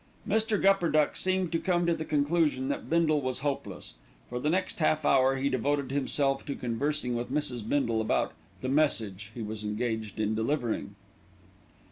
Mr. Gupperduck seemed to come to the conclusion that Bindle was hopeless. For the next half hour he devoted himself to conversing with Mrs. Bindle about "the message" he was engaged in delivering.